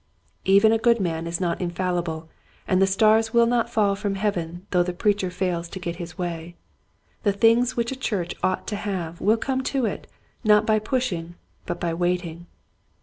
Even a good man is not infallible and the stars will not fall from heaven though the preacher fails to get his way. The things which a church ought to have will come to it not by pushing but by waiting.